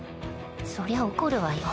そりゃ怒るわよ。